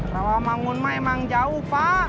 rawamangun mah emang jauh pak